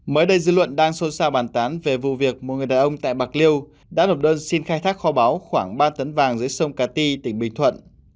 mới đây dư luận đang xôn xao bàn tán về vụ việc một người đàn ông tại bạc liêu đã nộp đơn xin khai thác kho báo khoảng ba tấn vàng dưới sông cà ti tỉnh bình thuận